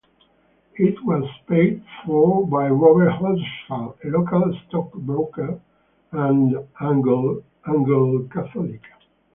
It was paid for by Robert Horsfall, a local stockbroker and Anglo-Catholic.